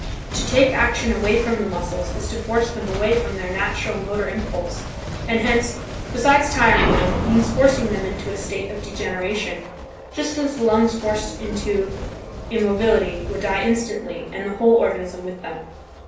To take action away from the muscles is to force them away from their natural motor impulse, and hence, besides tiring them, means forcing them into a state of degeneration; just as the lungs forced into immobility, would die instantly and the whole organism with them.